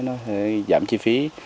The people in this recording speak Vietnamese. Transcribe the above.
nó giảm chi phí